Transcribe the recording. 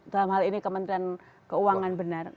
dalam hal ini kementerian keuangan benar